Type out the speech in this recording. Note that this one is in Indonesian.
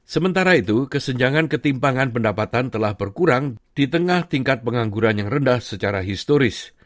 sementara itu kesenjangan ketimpangan pendapatan telah berkurang di tengah tingkat pengangguran yang rendah secara historis